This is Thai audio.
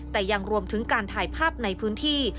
แต่ยังรวมถึงการถ่ายภาพในพื้นที่